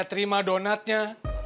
saya terima donatnya